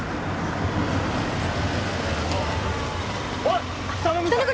おい！